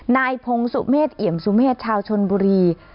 นายพงศุเมฆเอี่ยมสุเมฆชาวชนบุรี